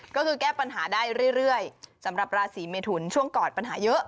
ก็คือแก้ปัญหาได้เรื่อยสำหรับราศีเมทุนช่วงก่อนปัญหาเยอะ